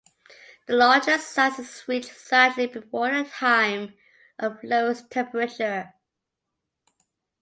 The largest size is reached slightly before the time of lowest temperature.